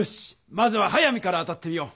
まずは速水から当たってみよう。